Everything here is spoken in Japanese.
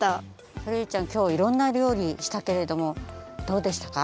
ソレイユちゃんきょうはいろんな料理したけれどもどうでしたか？